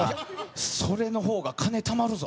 それのほうが、金たまるぞ！